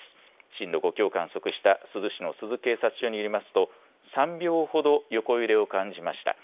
震度５強を観測した珠洲市の珠洲警察署によりますと３秒ほど横揺れを感じました。